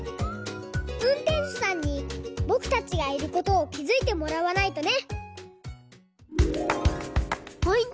うんてんしゅさんにぼくたちがいることをきづいてもらわないとね！